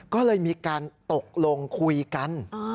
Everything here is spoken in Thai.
ก็เลยมีการตกลงคุยกัน